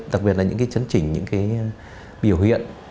đặc biệt là những cái chấn chỉnh những cái biểu hiện